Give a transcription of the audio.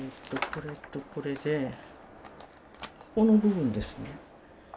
これでここの部分ですね。